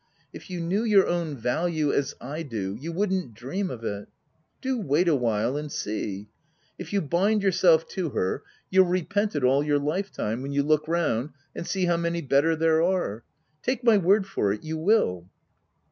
If you knew your own value as I do, you wouldn't dream of it. Do wait awhile and see J If you bind yourself to her, you'll repent it all your life time when you look round you and see how many better there are. Take my word for it, you will.